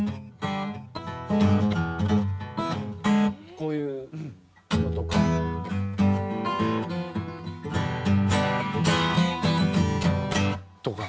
こういうのとか。とか。